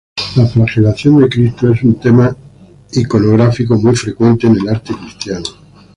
La flagelación de Cristo es un tema iconográfico muy frecuente en el arte cristiano.